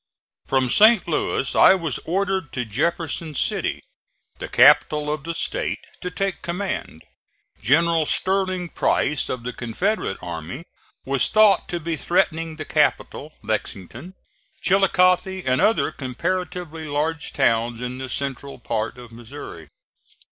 From St. Louis I was ordered to Jefferson City, the capital of the State, to take command. General Sterling Price, of the Confederate army, was thought to be threatening the capital, Lexington, Chillicothe and other comparatively large towns in the central part of Missouri.